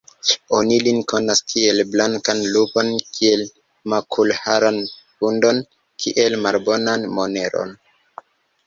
Oni lin konas, kiel blankan lupon; kiel makulharan hundon; kiel malbonan moneron.